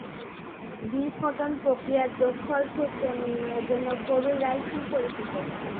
দ্বি-ফোটন প্রক্রিয়ার যোগফল সূত্র নির্ণয়ের জন্য প্রবীর রায় সুপরিচিত।